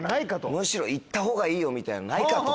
むしろ行ったほうがいいよみたいのないか？と。